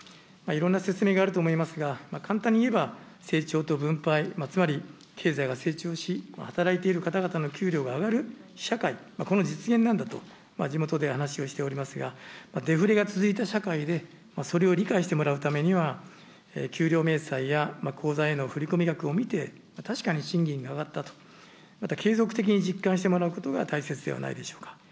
いろんな説明があると思いますが、簡単に言えば、成長と分配、つまり経済が成長し、働いてる方々の給料が上がる社会、この実現なんだと、地元で話をしておりますが、デフレが続いた社会で、それを理解してもらうためには、給料明細や口座への振り込み額を見て、確かに賃金が上がったと、また継続的に実感してもらうことが大切ではないでしょうか。